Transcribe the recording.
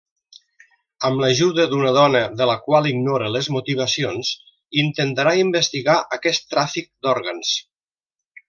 Amb l'ajuda d'una dona de la qual ignora les motivacions, intentarà investigar aquest tràfic d'òrgans.